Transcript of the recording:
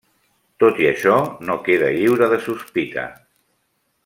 Tot i això, no queda lliure de sospita.